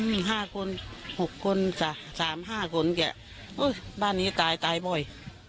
ไม่เก้าคนก็เจ็ดคนห้าคนหกคนสามห้าคนแค่บ้านนี้ตายตายบ่อย